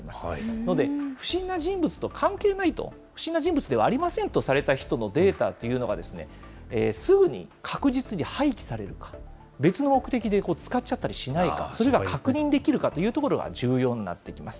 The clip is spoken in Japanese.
なので、不審な人物と関係ないと、不審な人物ではありませんとされた人のデータというのが、すぐに確実に廃棄されるか、別の目的で使っちゃったりしないか、それが確認できるかというところが重要になってきます。